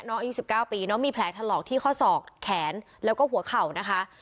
อายุ๑๙ปีน้องมีแผลถลอกที่ข้อศอกแขนแล้วก็หัวเข่านะคะ